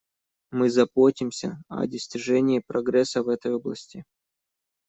Мы заботимся о достижении прогресса в этой области.